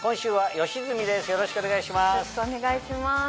よろしくお願いします。